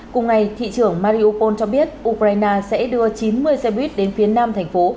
cùng ngày thị trưởng mariopol cho biết ukraine sẽ đưa chín mươi xe buýt đến phía nam thành phố